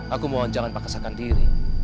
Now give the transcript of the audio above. aku mohon jangan paksakan diri